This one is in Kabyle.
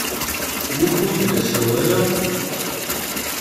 Wukud la ssawaleɣ?